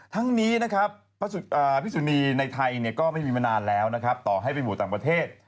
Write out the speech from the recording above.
ทั้งนี้พิสุนีในไทยก็ไม่มีมานานแล้วต่อให้เป็นบุตรต่างประเทศ